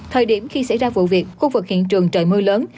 thời điểm khi xảy ra vụ việc khu vực hiện trường trời mưa lớn